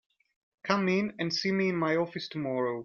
Come in and see me in my office tomorrow.